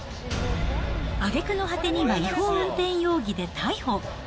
あげくの果てには違法運転容疑で逮捕。